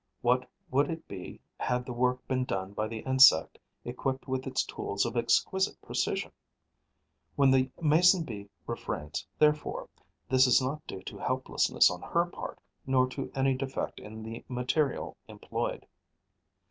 What would it be had the work been done by the insect, equipped with its tools of exquisite precision? When the Mason bee refrains, therefore, this is not due to helplessness on her part, nor to any defect in the material employed.